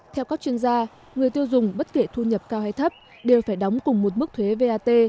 theo các chuyên gia người tiêu dùng bất kể thu nhập cao hay thấp đều phải đóng cùng một mức thuế vat